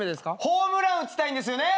ホームラン打ちたいんですよね！